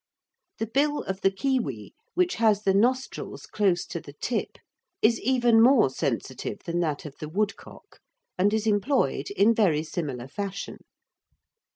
The bill of the kiwi, which has the nostrils close to the tip, is even more sensitive than that of the woodcock and is employed in very similar fashion.